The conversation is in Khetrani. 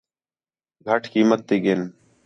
گھٹ قیمت تی ڳِن